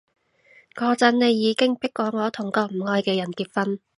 嗰陣你已經迫過我同個唔愛嘅人結婚